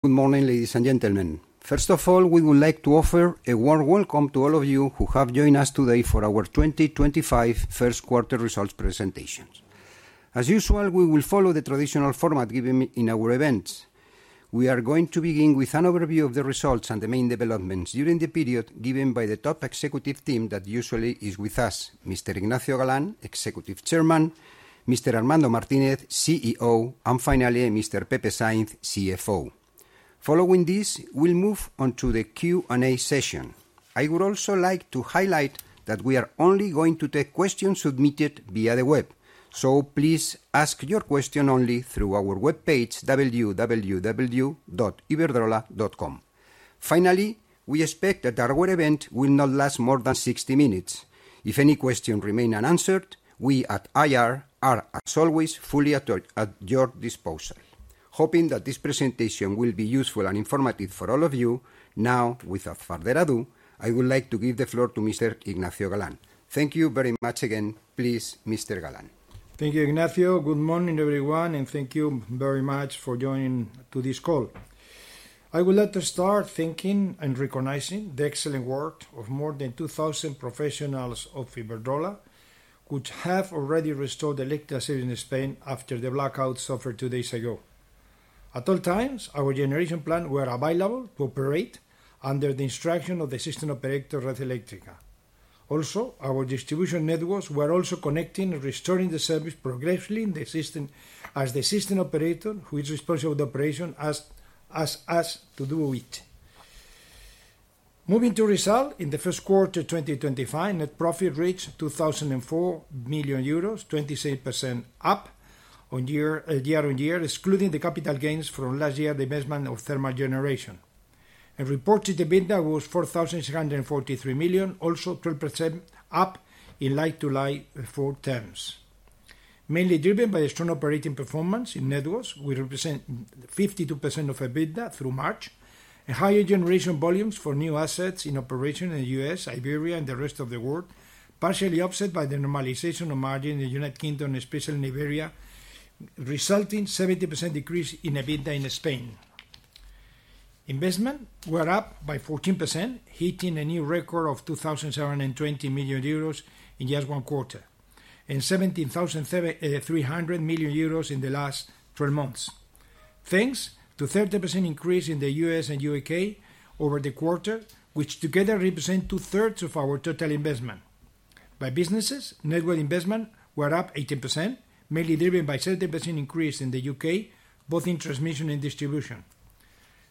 Good morning, ladies and gentlemen. First of all, we would like to offer a warm welcome to all of you who have joined us today for our 2025 first quarter results presentations. As usual, we will follow the traditional format given in our events. We are going to begin with an overview of the results and the main developments during the period given by the top executive team that usually is with us: Mr. Ignacio Galán, Executive Chairman; Mr. Armando Martínez, CEO; and finally, Mr. Pepe Sainz, CFO. Following this, we'll move on to the Q&A session. I would also like to highlight that we are only going to take questions submitted via the web, so please ask your question only through our webpage, www.iberdrola.com. Finally, we expect that our event will not last more than 60 minutes. If any questions remain unanswered, we at IR are, as always, fully at your disposal. Hoping that this presentation will be useful and informative for all of you, now, without further ado, I would like to give the floor to Mr. Ignacio Galán. Thank you very much again. Please, Mr. Galán. Thank you, Ignacio. Good morning, everyone, and thank you very much for joining this call. I would like to start thanking and recognizing the excellent work of more than 2,000 professionals of Iberdrola, which have already restored electricity in Spain after the blackouts suffered two days ago. At all times, our generation plants were available to operate under the instruction of the System Operator Red Eléctrica. Also, our distribution networks were also connecting and restoring the service progressively as the system operator, who is responsible for the operation, asks us to do it. Moving to results, in the first quarter of 2025, net profit reached 2,004 million euros, 26% up year-on-year, excluding the capital gains from last year's investment of thermal generation. Reported EBITDA was 4,643 million, also 12% up in like-for-like terms. Mainly driven by strong operating performance in networks, we represent 52% of EBITDA through March, and higher generation volumes for new assets in operation in the U.S., Iberia, and the rest of the world, partially offset by the normalization of margins in the U.K., especially in Iberia, resulting in a 70% decrease in EBITDA in Spain. Investments were up by 14%, hitting a new record of 2,720 million euros in just one quarter, and 17,300 million euros in the last 12 months, thanks to a 30% increase in the U.S. and U.K. over the quarter, which together represent two-thirds of our total investment. By businesses, network investments were up 18%, mainly driven by a 30% increase in the U.K., both in transmission and distribution.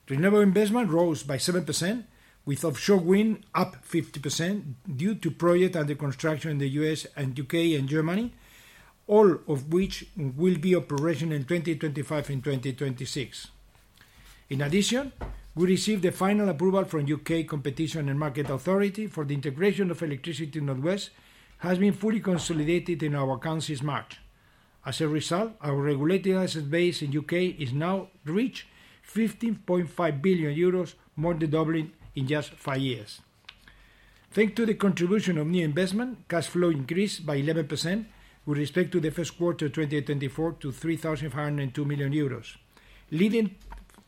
Renewable investment gross by 7%, with offshore wind up 50% due to projects under construction in the U.S., U.K., and Germany, all of which will be operational in 2025 and 2026. In addition, we received the final approval from the U.K. Competition and Market Authority for the integration of Electricity North West, which has been fully consolidated in our accounts since March. As a result, our regulated asset base in the U.K. has now reached 15.5 billion euros, more than doubling in just five years. Thanks to the contribution of new investment, cash flow increased by 11% with respect to the first quarter of 2024 to 3,502 million euros, leading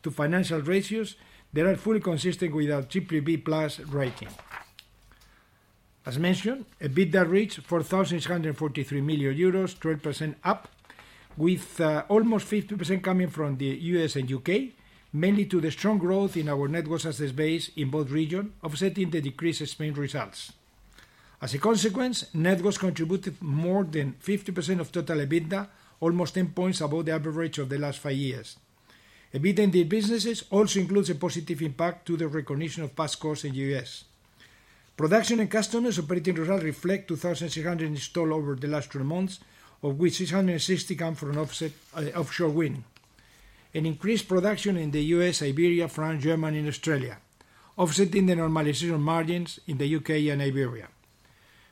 to financial ratios that are fully consistent with our BBB+ rating. As mentioned, EBITDA reached 4,643 million euros, 12% up, with almost 50% coming from the U.S. and U.K., mainly due to the strong growth in our network asset base in both regions, offsetting the decreased Spain results. As a consequence, networks contributed more than 50% of total EBITDA, almost 10 percentage points above the average of the last five years. EBITDA in the businesses also includes a positive impact due to the recognition of past costs in the U.S. Production and customers operating results reflect 2,600 installed over the last 12 months, of which 660 come from offshore wind. Increased production in the U.S., Iberia, France, Germany, and Australia offset the normalization margins in the U.K. and Iberia.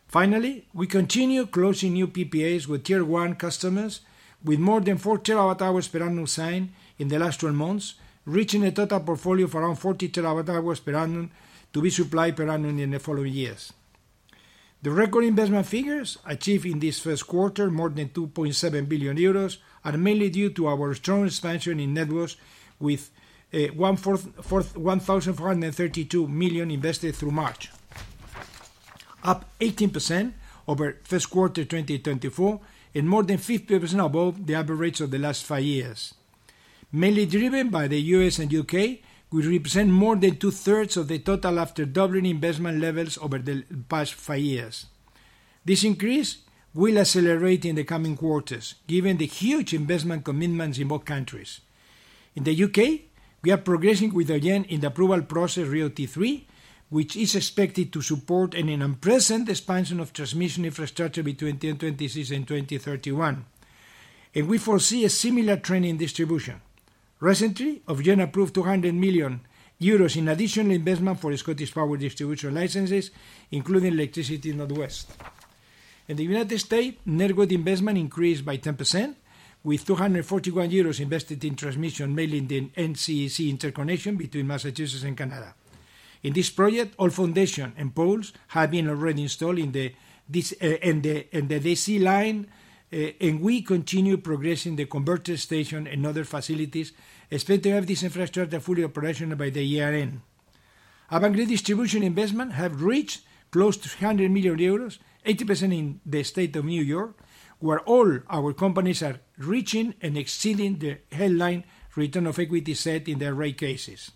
Finally, we continue closing new PPAs with tier-one customers, with more than 4 terawatt-hours per annum signed in the last 12 months, reaching a total portfolio of around 40 TWh per annum to be supplied per annum in the following years. The record investment figures achieved in this first quarter, more than 2.7 billion euros, are mainly due to our strong expansion in networks, with 1,432 million invested through March, up 18% over the first quarter of 2024, and more than 50% above the average rates of the last five years. Mainly driven by the U.S. and U.K., we represent more than two-thirds of the total after doubling investment levels over the past five years. This increase will accelerate in the coming quarters, given the huge investment commitments in both countries. In the U.K., we are progressing with the RIIO-T3 approval process, which is expected to support an unprecedented expansion of transmission infrastructure between 2026 and 2031. We foresee a similar trend in distribution. Recently, Ofgem approved 200 million euros in additional investment for ScottishPower Electricity North West. in the united States, network investment increased by 10%, with 241 million euros invested in transmission, mainly in the Northern New England Clean Energy interconnection between Massachusetts and Canada. In this project, all foundations and poles have already been installed in the DC line, and we continue progressing the converter station and other facilities, expecting to have this infrastructure fully operational by the year-end. Avangrid distribution investment has reached close to 300 million euros, 80% in the state of New York, where all our companies are reaching and exceeding the headline return on equity set in their rate cases.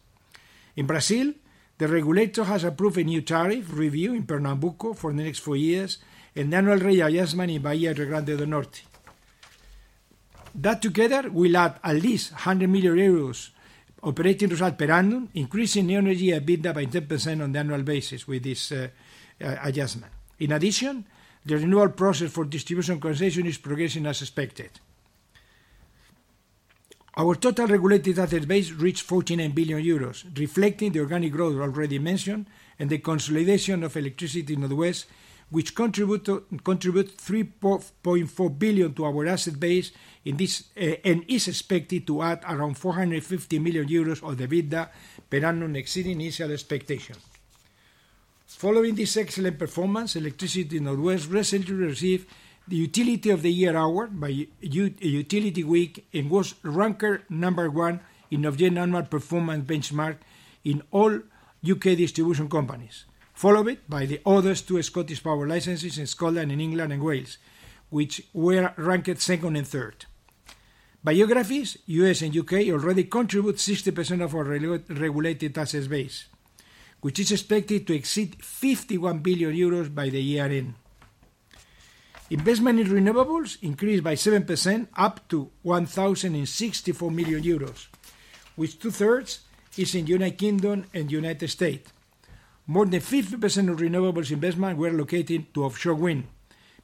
In Brazil, the regulator has approved a new tariff review in Pernambuco for the next four years and annual rate adjustment in Bahia and Rio Grande do Norte. That together will add at least 100 million euros operating results per annum, increasing new energy EBITDA by 10% on the annual basis with this adjustment. In addition, the renewal process for distribution concession is progressing as expected. Our total regulated asset base reached 49 billion euros, reflecting the organic growth already mentioned and the consolidation of Electricity North West, which contributes 3.4 billion to our asset base and is expected to add around 450 million euros of EBITDA per annum, exceeding initial expectation. Following this excellent performance, Electricity North West recently received the Utility of the Year award by Utility Week and was ranked number one in the biennial performance benchmark in all U.K. distribution companies, followed by the other two ScottishPower licenses in Scotland, England, and Wales, which were ranked second and third. Iberia, U.S., and U.K. already contribute 60% of our regulated asset base, which is expected to exceed 51 billion euros by the year-end. Investment in renewables increased by 7%, up to 1,064 million euros, with two-thirds in the United Kingdom and United States. More than 50% of renewables investment were allocated to offshore wind,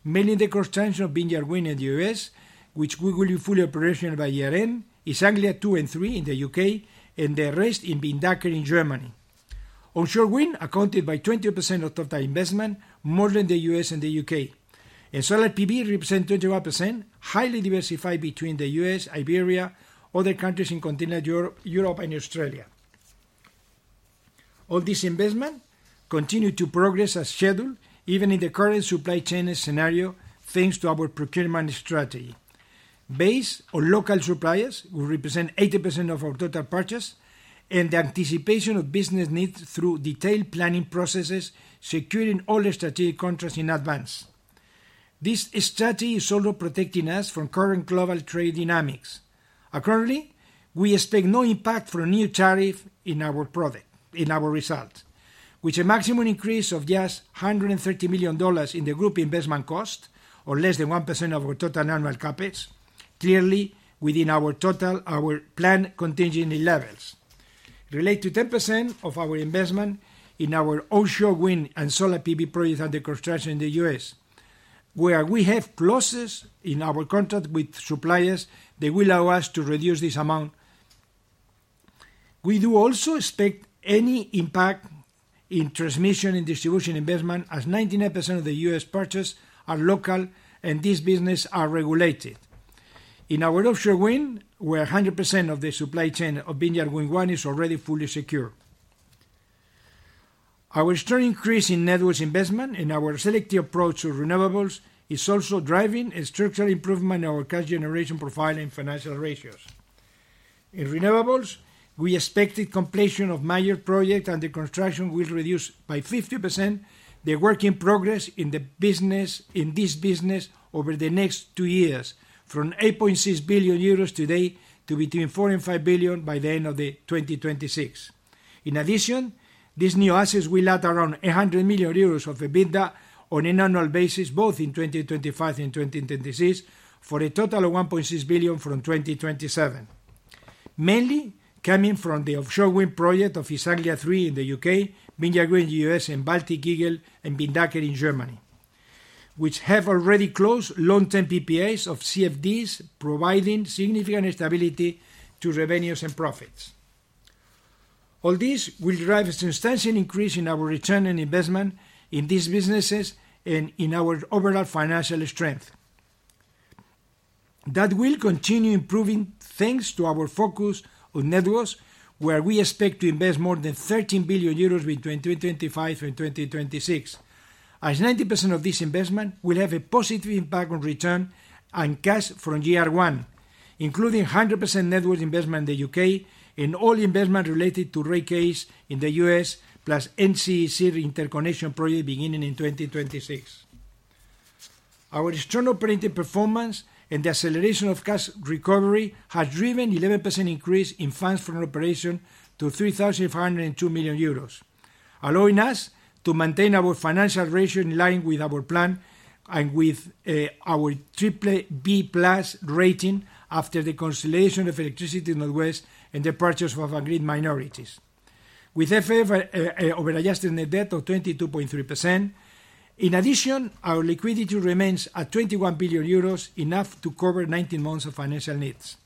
mainly the cross-transit of Vineyard Wind in the U.S., which will be fully operational by year-end, East Anglia THREE in the U.K., and the rest in Windanker in Germany. Offshore wind accounted for 20% of total investment, more than the U.S. and the U.K. Solar PV represents 21%, highly diversified between the U.S., Iberia, other countries in continental Europe, and Australia. All this investment continues to progress as scheduled, even in the current supply chain scenario, thanks to our procurement strategy. Based on local suppliers, we represent 80% of our total purchase and the anticipation of business needs through detailed planning processes, securing all strategic contracts in advance. This strategy is also protecting us from current global trade dynamics. Currently, we expect no impact from new tariffs in our results, with a maximum increase of just $130 million in the group investment cost, or less than 1% of our total annual CapEx, clearly within our planned contingency levels. Related to 10% of our investment in our offshore wind and solar PV projects under construction in the U.S., where we have clauses in our contract with suppliers that will allow us to reduce this amount. We do also expect any impact in transmission and distribution investment, as 99% of the U.S. purchases are local and these businesses are regulated. In our offshore wind, where 100% of the supply chain of wind and Windanker is already fully secured. Our strong increase in network investment and our selective approach to renewables is also driving a structural improvement in our cash generation profile and financial ratios. In renewables, we expect the completion of major projects under construction will reduce by 50% the work in progress in this business over the next two years, from 8.6 billion euros today to between 4 billion and 5 billion by the end of 2026. In addition, these new assets will add around 100 million euros of EBITDA on an annual basis, both in 2025 and 2026, for a total of 1.6 billion from 2027, mainly coming from the offshore wind projects of East Anglia THREE in the U.K., Windanker in the U.S., and Baltic Eagle and Windanker in Germany, which have already closed long-term PPAs or CFDs, providing significant stability to revenues and profits. All this will drive a substantial increase in our return on investment in these businesses and in our overall financial strength. That will continue improving thanks to our focus on networks, where we expect to invest more than 13 billion euros between 2025 and 2026, as 90% of this investment will have a positive impact on return and cash from year one, including 100% network investment in the U.K. and all investment related to rate cases in the U.S., plus Northern New England Clean Energy interconnection projects beginning in 2026. Our strong operating performance and the acceleration of cash recovery have driven an 11% increase in funds from operations to 3,502 million euros, allowing us to maintain our financial ratios in line with our plan and with our BBB+ rating after the consolidation of Electricity North West and the purchase of Avangrid minorities. With FFO over-adjusted net debt of 22.3%, in addition, our liquidity remains at 21 billion euros, enough to cover 19 months of financial needs.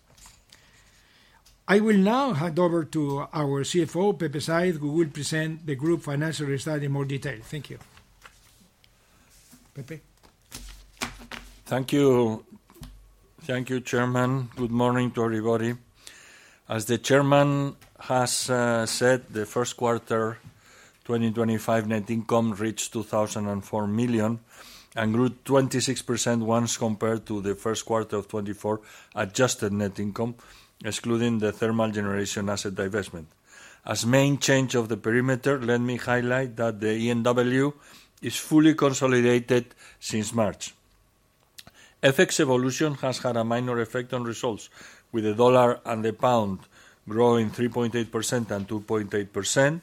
I will now hand over to our CFO, Pepe Sainz, who will present the group financial results in more detail. Thank you. Pepe. Thank you. Thank you, Chairman. Good morning to everybody. As the Chairman has said, the first quarter 2025 net income reached 2,004 million and grew 26% once compared to the first quarter of 2024 Adjusted net income, excluding the thermal generation asset divestment. As main change of the perimeter, let me highlight that the ENW is fully consolidated since March. FX evolution has had a minor effect on results, with the dollar and the pound growing 3.8% and 2.8%,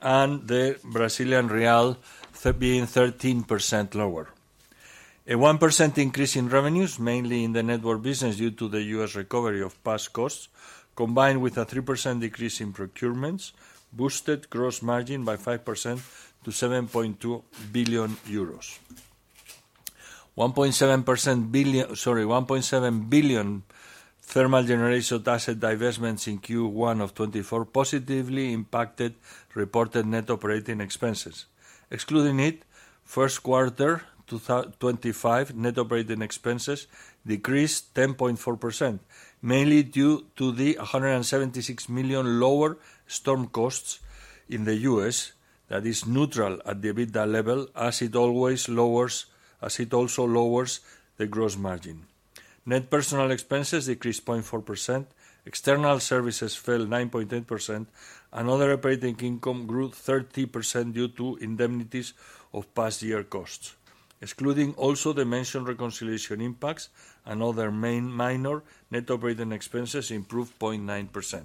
and the Brazilian real being 13% lower. A 1% increase in revenues, mainly in the network business due to the U.S. recovery of past costs, combined with a 3% decrease in procurements, boosted gross margin by 5% to 7.2 billion euros. 1.7 billion thermal generation asset divestments in Q1 of 2024 positively impacted reported net operating expenses. Excluding it, first quarter 2025 net operating expenses decreased 10.4%, mainly due to the 176 million lower storm costs in the U.S. that is neutral at the EBITDA level, as it always lowers the gross margin. Net personnel expenses decreased 0.4%, external services fell 9.8%, and other operating income grew 30% due to indemnities of past year costs. Excluding also the mentioned reconciliation impacts and other minor net operating expenses improved 0.9%.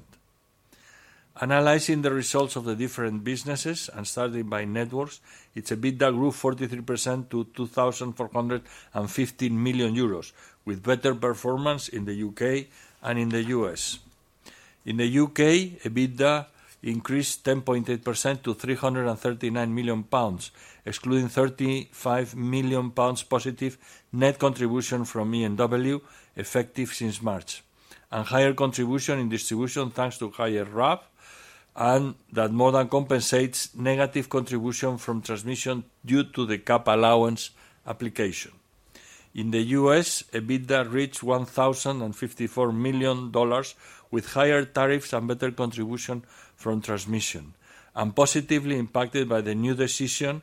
Analyzing the results of the different businesses and starting by networks, its EBITDA grew 43% to 2,415 million euros, with better performance in the U.K. and in the U.S. In the U.K., EBITDA increased 10.8% to 339 million pounds, excluding 35 million pounds positive net contribution from ENW effective since March, and higher contribution in distribution thanks to higher RAB, and that more than compensates negative contribution from transmission due to the cap allowance application. In the U.S., EBITDA reached $1,054 million, with higher tariffs and better contribution from transmission, and positively impacted by the new decision.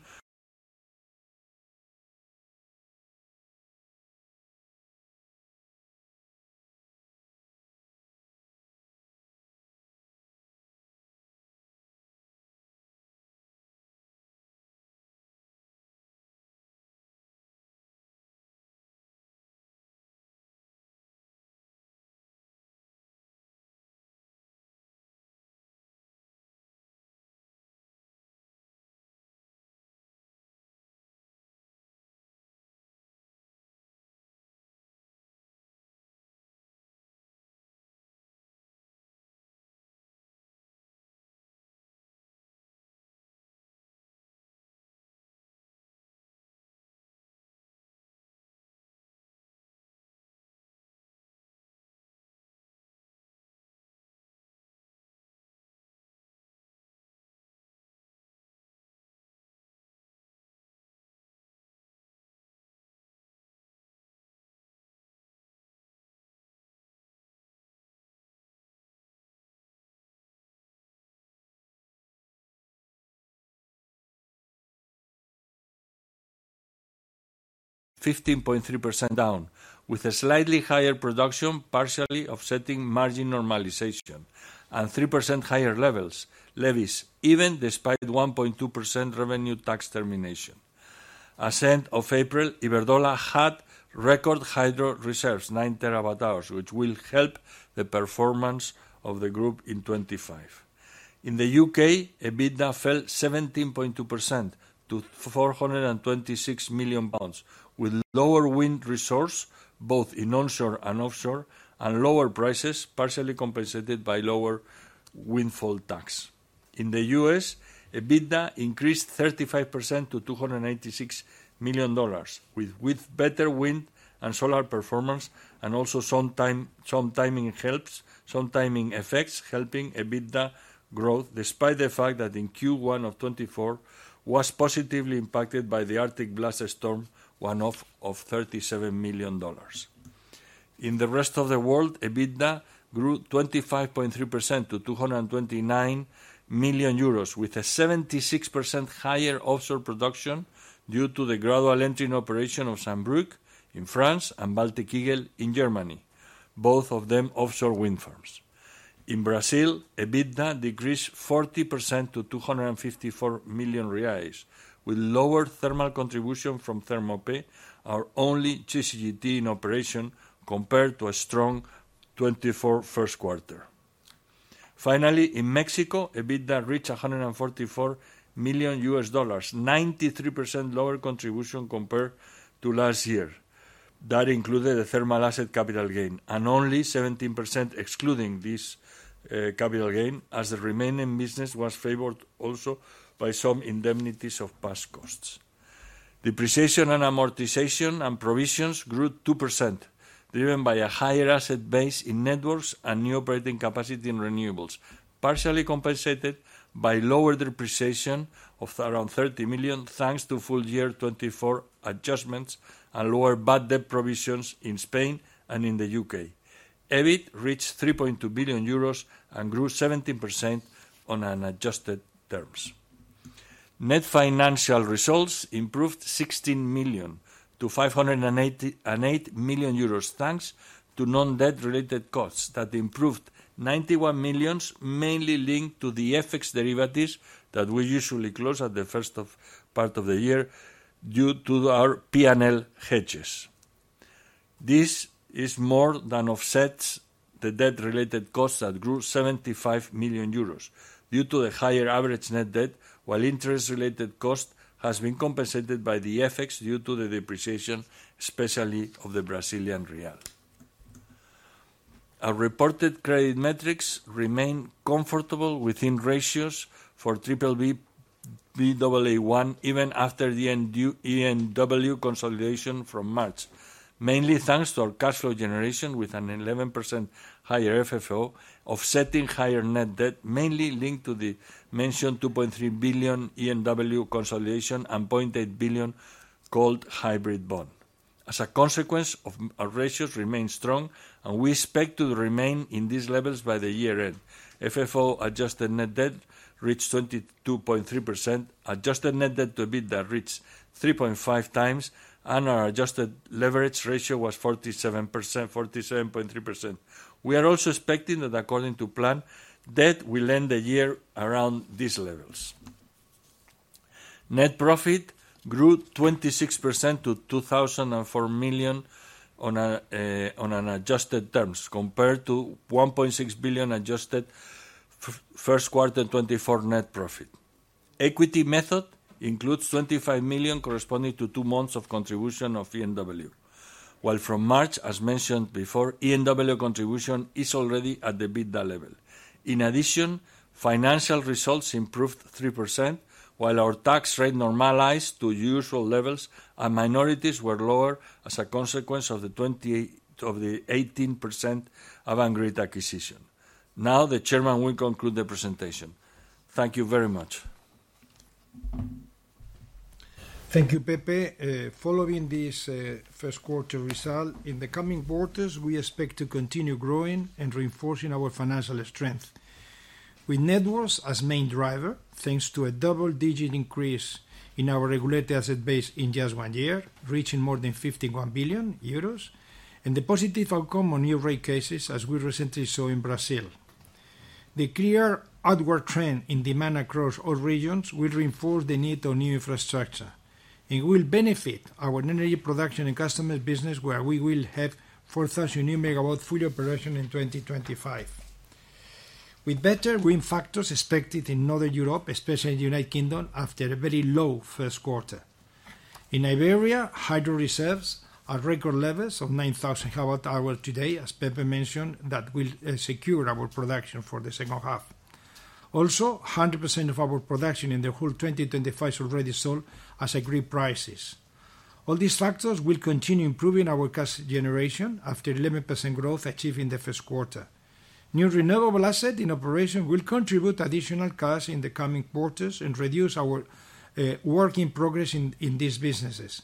15.3% down, with a slightly higher production partially offsetting margin normalization and 3% higher levels levies, even despite 1.2% revenue tax termination. As end of April, Iberdrola had record hydro reserves, 9 TWh which will help the performance of the group in 2025. In the U.K., EBITDA fell 17.2% to 426 million pounds, with lower wind resource, both in onshore and offshore, and lower prices partially compensated by lower windfall tax. In the U.S., EBITDA increased 35% to $296 million, with better wind and solar performance and also some timing effects helping EBITDA growth, despite the fact that in Q1 of 2024 was positively impacted by the Arctic blast storm, one-off of $37 million. In the rest of the world, EBITDA grew 25.3% to 229 million euros, with a 76% higher offshore production due to the gradual entry in operation of Saint-Brieuc in France and Baltic Eagle in Germany, both of them offshore wind farms. In Brazil, EBITDA decreased 40% to 254 million reais, with lower thermal contribution from Termopernambuco, our only CCGT in operation, compared to a strong 2024 first quarter. Finally, in Mexico, EBITDA reached $144 million, 93% lower contribution compared to last year. That included the thermal asset capital gain, and only 17% excluding this capital gain, as the remaining business was favored also by some indemnities of past costs. Depreciation and amortization and provisions grew 2%, driven by a higher asset base in networks and new operating capacity in renewables, partially compensated by lower depreciation of around 30 million, thanks to full year 2024 adjustments and lower bad debt provisions in Spain and in the U.K. EBIT reached 3.2 billion euros and grew 17% on unadjusted terms. Net financial results improved 16 million to 588 million euros, thanks to non-debt-related costs that improved 91 million, mainly linked to the FX derivatives that we usually close at the first part of the year due to our P&L hedges. This more than offsets the debt-related costs that grew 75 million euros due to the higher average net debt, while interest-related cost has been compensated by the FX due to the depreciation, especially of the Brazilian real. Our reported credit metrics remain comfortable within ratios for BBB / Baa1, even after the ENW consolidation from March, mainly thanks to our cash flow generation with an 11% higher FFO, offsetting higher net debt, mainly linked to the mentioned 2.3 billion ENW consolidation and 0.8 billion called hybrid bond. As a consequence, our ratios remain strong, and we expect to remain in these levels by the year-end. FFO adjusted net debt reached 22.3%, Adjusted net debt to EBITDA reached 3.5 times, and our Adjusted leverage ratio was 47.3%. We are also expecting that, according to plan, debt will end the year around these levels. Net profit grew 26% to 2,004 million on unadjusted terms, compared to 1.6 billion adjusted first quarter 2024 net profit. Equity method includes 25 million, corresponding to two months of contribution of ENW while from March, as mentioned before, ENW contribution is already at the EBITDA level. In addition, financial results improved 3%, while our tax rate normalized to usual levels, and minorities were lower as a consequence of the 18% Avangrid acquisition. Now, the Chairman will conclude the presentation. Thank you very much. Thank you, Pepe. Following this first quarter result, in the coming quarters, we expect to continue growing and reinforcing our financial strength. With networks as main driver, thanks to a double-digit increase in our regulated asset base in just one year, reaching more than 51 billion euros, and the positive outcome on new rate cases, as we recently saw in Brazil. The clear outward trend in demand across all regions will reinforce the need for new infrastructure and will benefit our energy production and customer business, where we will have 4,000 new megawatts fully operational in 2025. With better green factors expected in Northern Europe, especially in the United Kingdom, after a very low first quarter. In Iberia, hydro reserves are record levels of 9,000 GWh today, as Pepe mentioned, that will secure our production for the second half. Also, 100% of our production in the whole 2025 is already sold at green prices. All these factors will continue improving our cash generation after 11% growth achieved in the first quarter. New renewable assets in operation will contribute additional cash in the coming quarters and reduce our work in progress in these businesses.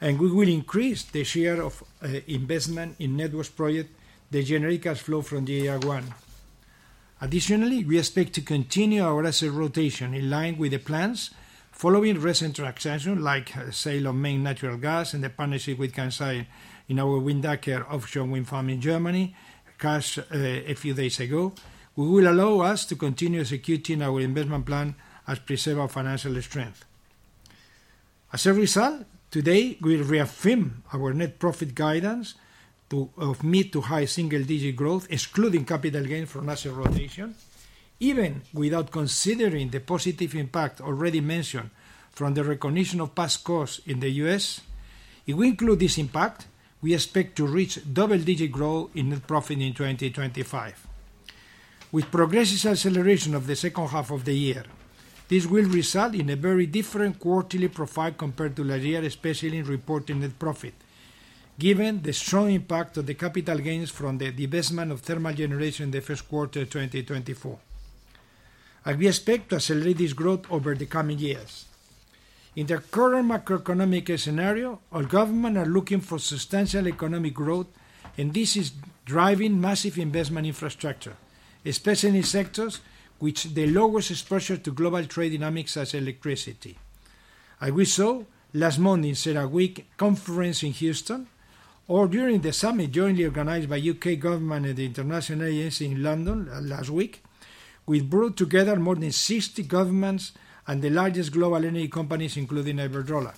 We will increase the share of investment in networks projects that generate cash flow from year one. Additionally, we expect to continue our asset rotation in line with the plans. Following recent transactions, like the sale of Maine Natural Gas and the partnership with Kansai in our Windanker offshore wind farm in Germany, closed a few days ago will allow us to continue executing our investment plan as we preserve our financial strength. As a result, today, we reaffirm our net profit guidance of mid to high single-digit growth, excluding capital gains from asset rotation, even without considering the positive impact already mentioned from the recognition of past costs in the U.S. If we include this impact, we expect to reach double-digit growth in net profit in 2025. With progressive acceleration of the second half of the year, this will result in a very different quarterly profile compared to last year, especially in reporting net profit, given the strong impact of the capital gains from the investment of thermal generation in the first quarter of 2024. As we expect to accelerate this growth over the coming years. In the current macroeconomic scenario, our government is looking for substantial economic growth, and this is driving massive investment infrastructure, especially in sectors which have the lowest exposure to global trade dynamics as electricity. As we saw last Monday in CERAWeek Conference in Houston, or during the summit jointly organized by the U.K. government and the International Agency in London last week, we brought together more than 60 governments and the largest global energy companies, including Iberdrola.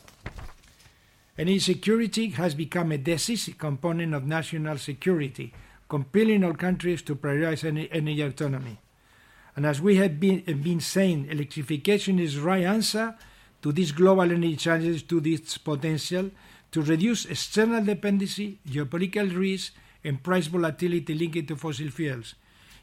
Energy security has become a decisive component of national security, compelling our countries to prioritize energy autonomy. As we have been saying, electrification is the right answer to these global energy challenges, to this potential, to reduce external dependency, geopolitical risk, and price volatility linked to fossil fuels,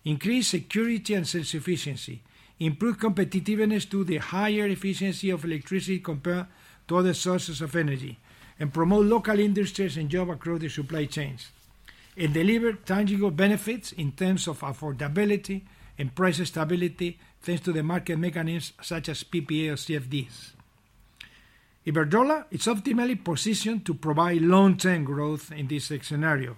increase security and self-sufficiency, improve competitiveness due to the higher efficiency of electricity compared to other sources of energy, and promote local industries and jobs across the supply chains, and deliver tangible benefits in terms of affordability and price stability thanks to the market mechanisms such as PPA or CFDs. Iberdrola is optimally positioned to provide long-term growth in this scenario,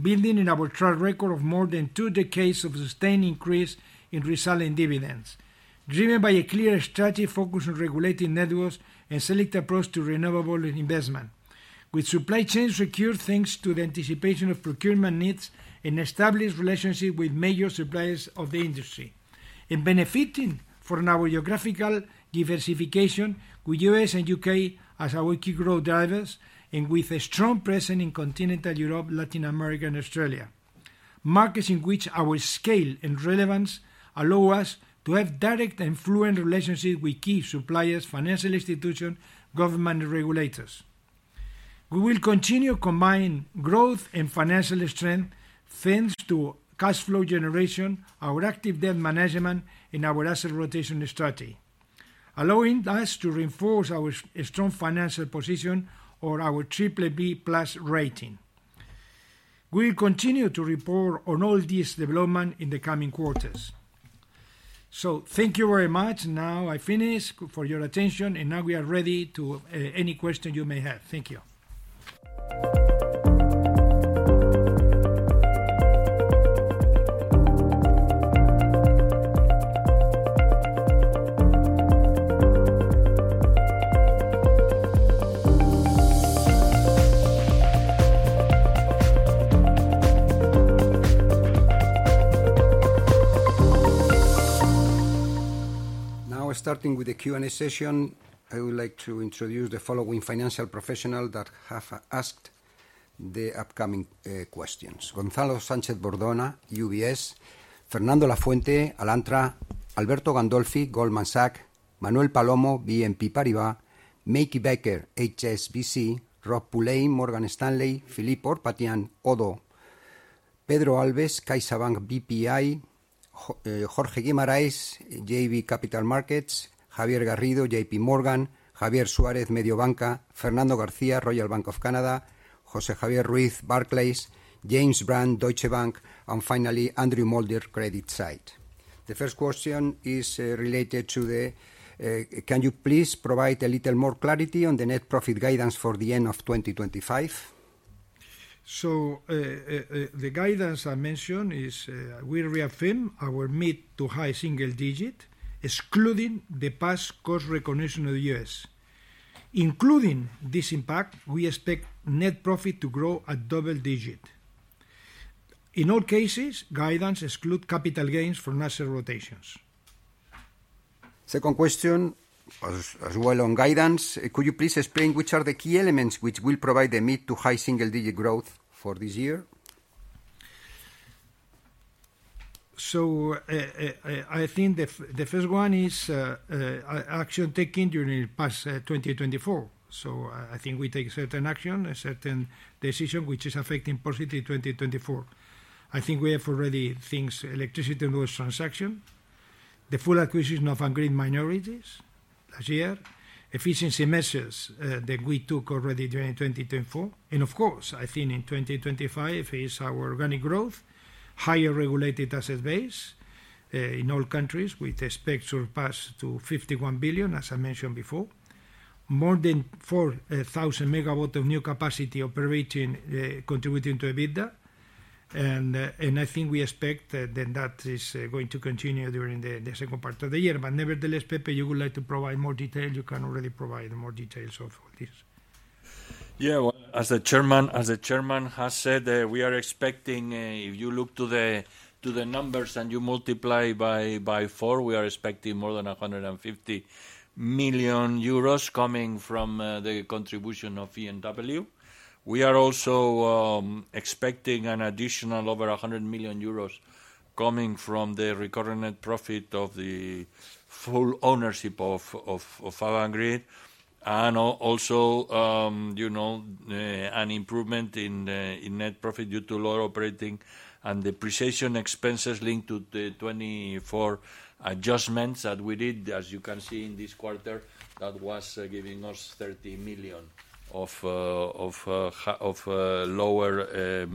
building on our track record of more than two decades of sustained increase in resulting dividends, driven by a clear strategy focused on regulating networks and select approaches to renewable investment, with supply chains secured thanks to the anticipation of procurement needs and established relationships with major suppliers of the industry, and benefiting from our geographical diversification with the U.S. and U.K. as our key growth drivers and with a strong presence in continental Europe, Latin America, and Australia, markets in which our scale and relevance allow us to have direct and fluent relationships with key suppliers, financial institutions, government, and regulators. We will continue combining growth and financial strength thanks to cash flow generation, our active debt management, and our asset rotation strategy, allowing us to reinforce our strong financial position or our BBB-Plus rating. We will continue to report on all these developments in the coming quarters. Thank you very much. Now, I finish for your attention, and now we are ready to answer any questions you may have. Thank you. Now, starting with the Q&A session, I would like to introduce the following financial professionals that have asked the upcoming questions: Gonzalo Sánchez-Bordona, UBS; Fernando Lafuente, Alantra; Alberto Gandolfi, Goldman Sachs; Manuel Palomo, BNP Paribas; Meike Becker, HSBC; Rob Pulleyn, Morgan Stanley; Philippe Ourpatian, Oddo; Pedro Alves, CaixaBank BPI; Jorge Guimarães, JB Capital Markets; Javier Garrido, JP Morgan; Javier Suárez, Mediobanca; Fernando García, Royal Bank of Canada; Jose Javier Ruiz, Barclays; James Brand, Deutsche Bank; and finally, Andrew Moulder, CreditSights. The first question is related to the: Can you please provide a little more clarity on the net profit guidance for the end of 2025? The guidance I mentioned is: We reaffirm our mid to high single digit, excluding the past cost recognition of the U.S. Including this impact, we expect net profit to grow at double digit. In all cases, guidance excludes capital gains from asset rotations. Second question, as well on guidance: Could you please explain which are the key elements which will provide the mid to high single digit growth for this year? I think the first one is action taken during the past 2024. I think we take certain action, a certain decision which is affecting positively 2024. I think we have already things: electricity and those transactions, the full acquisition of Avangrid minorities last year, efficiency measures that we took already during 2024. Of course, I think in 2025 is our organic growth, higher regulated asset base in all countries with expected surplus to 51 billion, as I mentioned before, more than 4,000 MW of new capacity operating, contributing to EBITDA. I think we expect that that is going to continue during the second part of the year. Nevertheless, Pepe, you would like to provide more detail? You can already provide more details of this. Yeah, as the Chairman has said, we are expecting, if you look to the numbers and you multiply by four, we are expecting more than 150 million euros coming from the contribution of ENW. We are also expecting an additional over 100 million euros coming from the recurrent net profit of the full ownership of Avangrid, and also an improvement in net profit due to lower operating and depreciation expenses linked to the 24 adjustments that we did. As you can see in this quarter, that was giving us 30 million of lower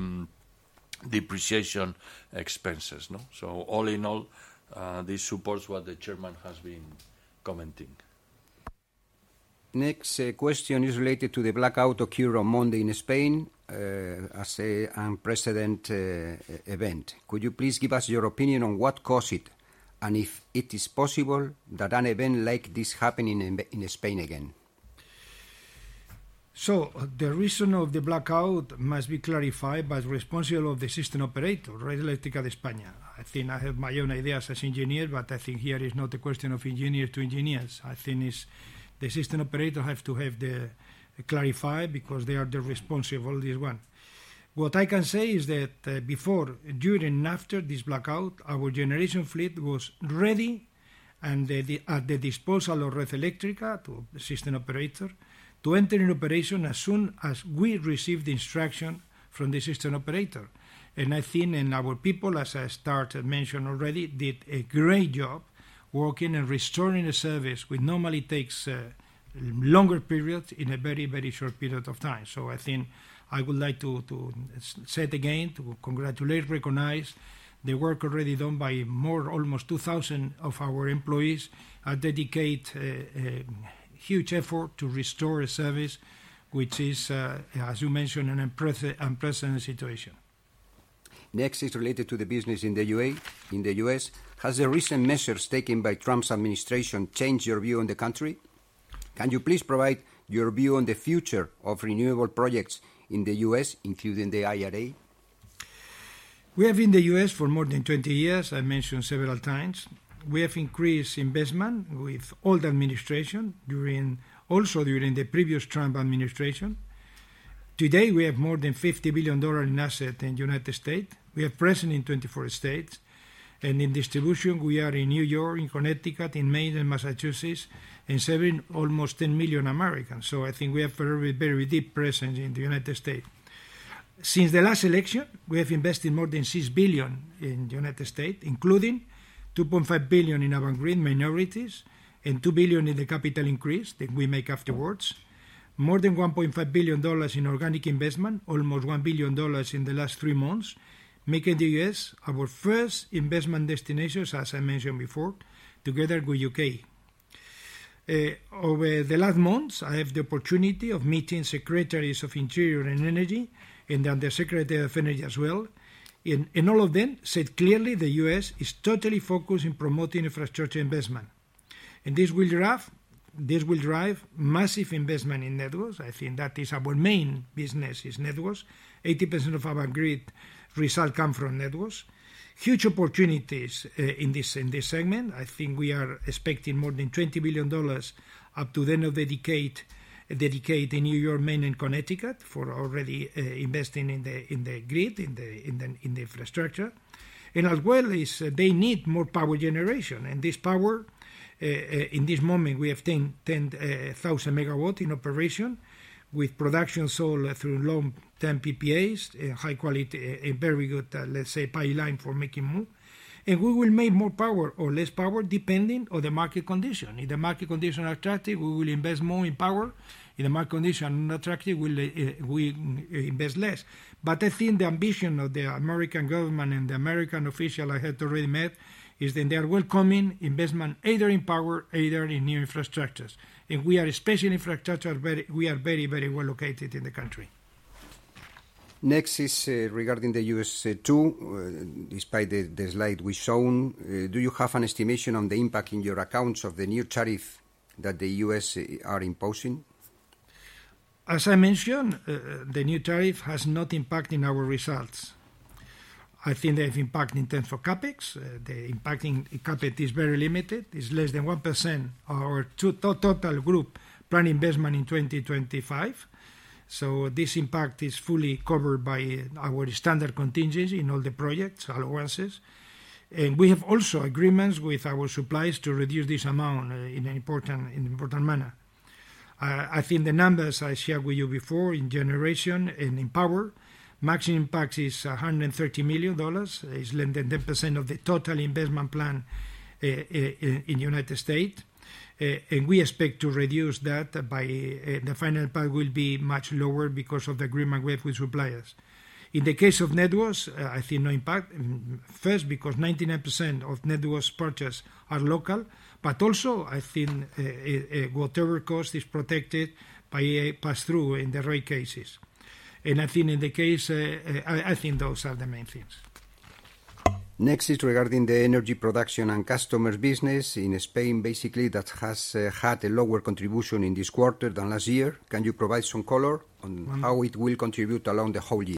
depreciation expenses. All in all, this supports what the Chairman has been commenting. Next question is related to the blackout occurred on Monday in Spain as an unprecedented event. Could you please give us your opinion on what caused it, and if it is possible that an event like this happened in Spain again? The reason of the blackout must be clarified by the responsible of the system operator, Red Eléctrica de España. I think I have my own ideas as engineer, but I think here it's not a question of engineers to engineers. I think the system operator has to have the clarified because they are the responsible of this one. What I can say is that before, during, and after this blackout, our generation fleet was ready and at the disposal of Red Eléctrica, the system operator, to enter in operation as soon as we received the instruction from the system operator. I think our people, as I started mentioning already, did a great job working and restoring the service which normally takes longer periods in a very, very short period of time. I think I would like to say it again, to congratulate, recognize the work already done by more, almost 2,000 of our employees that dedicate huge effort to restore a service which is, as you mentioned, an unprecedented situation. Next is related to the business in the U.S. Has the recent measures taken by Trump's administration changed your view on the country? Can you please provide your view on the future of renewable projects in the U.S., including the IRA? We have been in the U.S. for more than 20 years, I mentioned several times. We have increased investment with all the administration, also during the previous Trump administration. Today, we have more than $50 billion in assets in the United States. We are present in 24 states. In distribution, we are in New York, in Connecticut, in Maine, and Massachusetts, and serving almost 10 million Americans. I think we have a very deep presence in the United States. Since the last election, we have invested more than $6 billion in the United States, including $2.5 billion in Avangrid minorities and $2 billion in the capital increase that we make afterwards, more than $1.5 billion in organic investment, almost $1 billion in the last three months, making the U.S. our first investment destination, as I mentioned before, together with the U.K. Over the last months, I had the opportunity of meeting Secretaries of Interior and Energy and the Undersecretary of Energy as well. All of them said clearly the U.S. is totally focused on promoting infrastructure investment. This will drive massive investment in networks. I think that is our main business, is networks. 80% of Avangrid results come from networks. Huge opportunities in this segment. I think we are expecting more than $20 billion up to the end of the decade in New York, Maine, and Connecticut for already investing in the grid, in the infrastructure. They need more power generation. This power, in this moment, we have 10,000 MW in operation with production sold through long-term PPAs and high-quality, very good, let's say, pipeline for making move. We will make more power or less power depending on the market condition. If the market condition is attractive, we will invest more in power. If the market condition is not attractive, we invest less. I think the ambition of the American government and the American officials I had already met is that they are welcoming investment either in power or either in new infrastructures. We are special infrastructures. We are very, very well located in the country. Next is regarding the U.S. too. Despite the slide we showed, do you have an estimation on the impact in your accounts of the new tariff that the U.S. is imposing? As I mentioned, the new tariff has no impact on our results. I think they have impact in terms of CapEx. The impact in CapEx is very limited. It's less than 1% of our total group plan investment in 2025. This impact is fully covered by our standard contingency in all the projects, allowances. We have also agreements with our suppliers to reduce this amount in an important manner. I think the numbers I shared with you before in generation and in power, maximum impact is $130 million. It's less than 10% of the total investment plan in the United States. We expect to reduce that by the final impact will be much lower because of the agreement we have with suppliers. In the case of networks, I think no impact. First, because 99% of networks purchased are local, but also, I think whatever cost is protected passes through in the right cases. I think in the case, I think those are the main things. Next is regarding the energy production and customer business in Spain, basically, that has had a lower contribution in this quarter than last year. Can you provide some color on how it will contribute along the whole year?